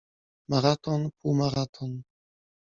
Maraton, półmaraton.